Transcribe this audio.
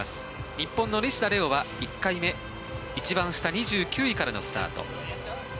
日本の西田玲雄は１回目一番下の２９位からのスタート。